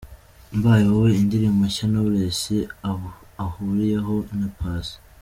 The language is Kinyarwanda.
'Mbaye Wowe' indirimbo nshya Knowless ahuriyemo na Passy.